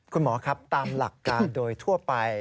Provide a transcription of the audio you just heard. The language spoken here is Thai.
คุณหมอครับตามหลักการโดยทั่วไป